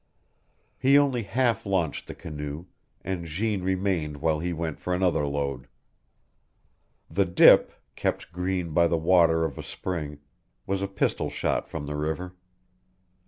He only half launched the canoe, and Jeanne remained while he went for another load. The dip, kept green by the water of a spring, was a pistol shot from the river.